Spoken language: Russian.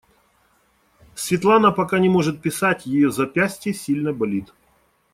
Светлана пока не может писать, ее запястье сильно болит.